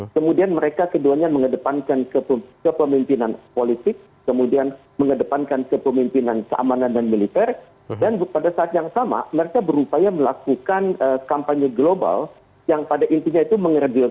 kemudian mereka keduanya mengedepankan kepemimpinan politik kemudian mengedepankan kepemimpinan keamanan dan militer dan pada saat yang sama mereka berupaya melakukan kampanye global yang pada intinya itu mengeradual